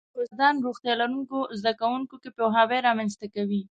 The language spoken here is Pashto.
استادان روغتیا لرونکو زده کوونکو کې پوهاوی رامنځته کوي.